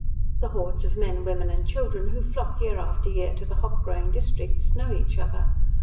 The hordes of men, women, and children who flock year after year to the hop growing districts know each other.